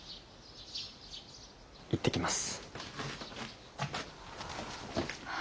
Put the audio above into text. いってきます。